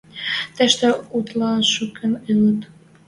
Тӹштӹ утла шукын ылыт.